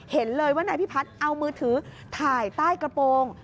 เห็นเลยว่านายพิพัฒน์เอามือถือถ่ายใต้กระโปรง